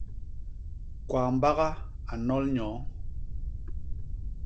Kwambaga a nnol nyoo.